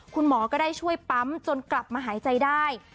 คุณหมอก็ได้ช่วยปั๊มจนกลับมาหายใจได้